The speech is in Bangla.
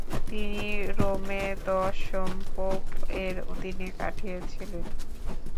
তিনি রোমে দশম পোপ এর অধীনে কাটিয়েছিলেন।